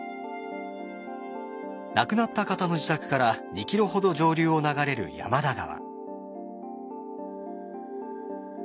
亡くなった方の自宅から２ｋｍほど上流を流れる山田川。